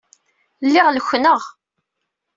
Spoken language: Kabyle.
Lliɣ lekneɣ.